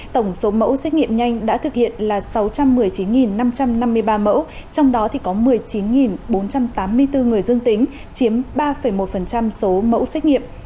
tổng số mẫu xét nghiệm nhanh đã thực hiện là sáu trăm một mươi chín năm trăm năm mươi ba mẫu trong đó có một mươi chín bốn trăm tám mươi bốn người dương tính chiếm ba một số mẫu xét nghiệm